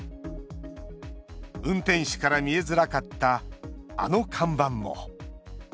運転手から見えづらかったあの看板も。